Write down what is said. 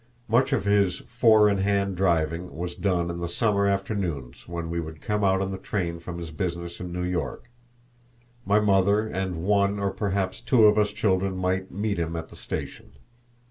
Much of his four in hand driving was done in the summer afternoons when he would come out on the train from his business in New York. My mother and one or perhaps two of us children might meet him at the station.